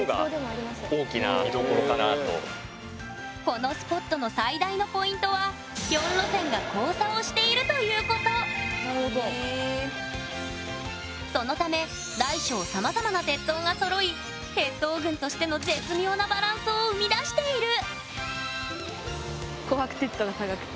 このスポットの最大のポイントはそのため大小さまざまな鉄塔がそろい鉄塔群としての絶妙なバランスを生み出している！